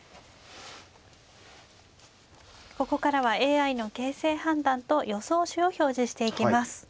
ここからはＡＩの形勢判断と予想手を表示していきます。